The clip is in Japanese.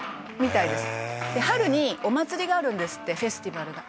「春にお祭りがあるんですってフェスティバルが」